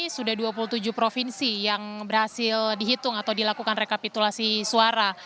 sudah dua puluh tujuh provinsi yang berhasil dihitung atau dilakukan rekapitulasi suara